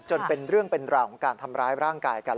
เป็นเรื่องเป็นราวของการทำร้ายร่างกายกัน